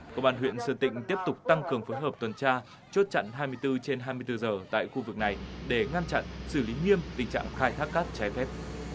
công an huyện sơn tịnh tiếp tục tăng cường phối hợp tuần tra chốt chặn hai mươi bốn trên hai mươi bốn giờ tại khu vực này để ngăn chặn xử lý nghiêm tình trạng khai thác cát trái phép